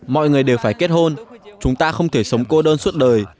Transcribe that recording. mọi người đều phải kết hôn chúng ta không thể sống cô đơn suốt đời